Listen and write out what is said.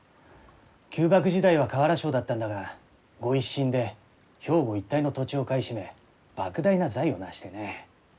旧幕時代は瓦商だったんだが御一新で兵庫一帯の土地を買い占め莫大な財を成してね。